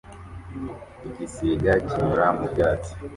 Igisiga kinyura mu byatsi